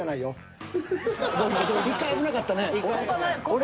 １回危なかったね。